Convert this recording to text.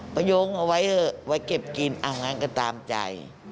ประโยงเอาไว้เถอะไว้เก็บกินอาหารก็ตามใจ